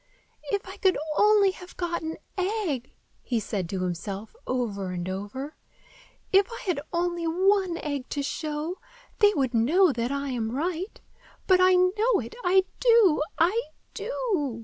"If I could only have got an egg!" he said to himself, over and over. "If I had only one egg to show, they would know that I am right. But I know it! I do! I do!"